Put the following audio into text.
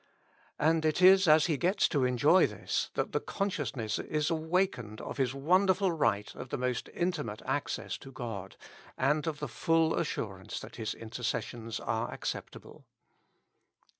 And it is as he gets to enjoy this, that the consciousness is awakened of his won derful right of most intimate access to God, and of the full assurance that his intercessions are ac ceptable.